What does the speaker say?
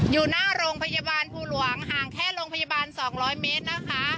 อยู่หน้าโรงพยาบาลภูหลวงห่างแค่โรงพยาบาล๒๐๐เมตรนะคะ